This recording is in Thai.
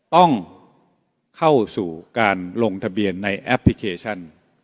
ต้องเข้าสู่การลงทะเบียนในแอปพลิเคชัน